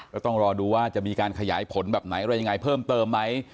ก็ต้องรอดูว่าจะมีการขยายผลแบบไหนอะไรยังไงเพิ่มเติมไหม